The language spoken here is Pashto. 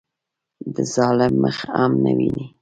د ظالم مخ هم نه ویني.